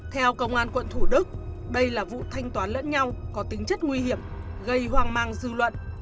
theo công an quận thủ đức đây là vụ thanh toán lẫn nhau có tính chất nguy hiểm gây hoang mang dư luận